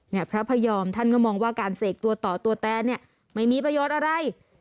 พระพยอมท่านก็มองว่าการเสกตัวต่อตัวแตนเนี่ยไม่มีประโยชน์อะไร